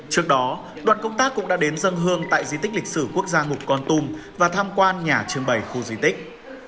trước đó đoàn công tác cũng đã đến dân hương tại di tích lịch sử quốc gia ngục con tum và tham quan nhà trưng bày khu di tích